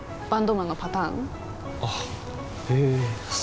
バンドマンのパターン？